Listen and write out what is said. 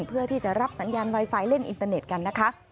เพื่อที่จะรับสัญญาณไวไฟเล่นอินเตอร์เน็ตกันนะคะ